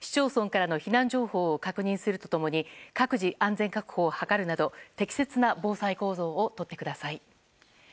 避難情報を確認すると共に各自、安全確保をするなど適切な防災行動をとってください。